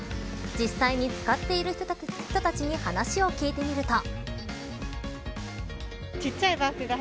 実際に使っている人たちに話を聞いてみると。